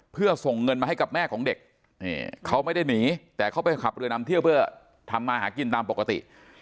เพื่อส่งเงินมาให้กับแม่ของเด็กเขาไม่ได้หนีแต่เขาไปขับเรือนำเที่ยวเพื่อทำมาหากินตามปกติ